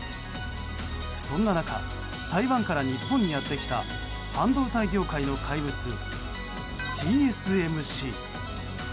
そんな中台湾から日本にやってきた半導体業界の怪物ＴＳＭＣ。